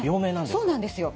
そうなんですよ。